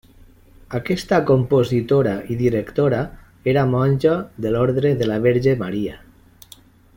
Aquesta compositora i directora era monja de l’Ordre de la Verge Maria.